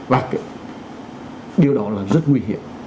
và điều đó là rất nguy hiểm